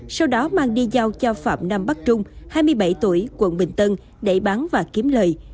sau đó mang đi giao cho phạm nam bắc trung hai mươi bảy tuổi quận bình tân để bán và kiếm lời